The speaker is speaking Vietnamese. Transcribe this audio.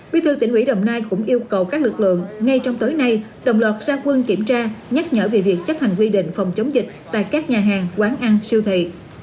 bí thư tỉnh ủy đồng nai cũng yêu cầu các lực lượng ngay trong tối nay đồng loạt ra quân kiểm tra nhắc nhở về việc chấp hành quy định phòng chống dịch tại các nhà hàng quán ăn siêu thị